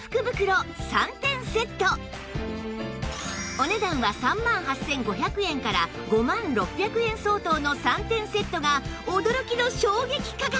お値段は３万８５００円から５万６００円相当の３点セットが驚きの衝撃価格！